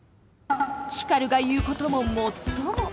光が言うことももっとも。